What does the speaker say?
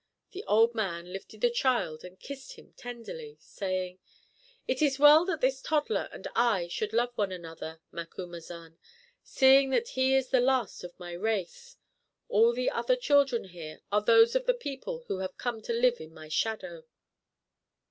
The old man lifted the child and kissed him tenderly, saying: "It is well that this toddler and I should love one another, Macumazahn, seeing that he is the last of my race. All the other children here are those of the people who have come to live in my shadow."